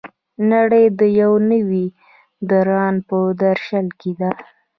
نړۍ د یو نوي دوران په درشل کې ده.